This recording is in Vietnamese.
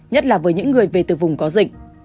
nhất là với những người về từ vùng có dịch